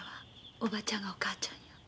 おばちゃんがお母ちゃんやで。